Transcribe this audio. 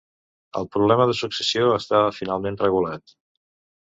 El problema de successió estava finalment regulat.